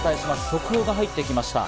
速報が入ってきました。